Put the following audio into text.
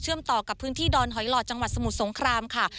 ต่อกับพื้นที่ดอนหอยหลอดจังหวัดสมุทรสงครามค่ะ